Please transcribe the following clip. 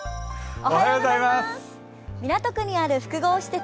港区にある複合施設